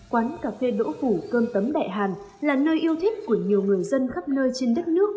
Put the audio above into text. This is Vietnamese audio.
quán cà phê đỗ phủ cơm tấm đại hàn là nơi yêu thích của nhiều người dân khắp nơi trên đất nước